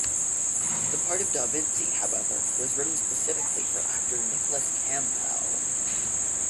The part of Da Vinci, however, was written specifically for actor Nicholas Campbell.